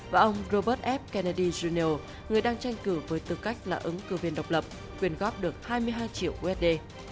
và ông robert f kennedy jr người đang tranh cử với tư cách là ứng cử viên độc lập quyền góp được hai mươi hai triệu usd